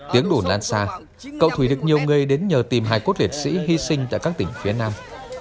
tiếng đổ lan xa cậu thủy được nhiều người đến nhờ tìm hải cốt liệt sĩ hy sinh tại các tỉnh phía nam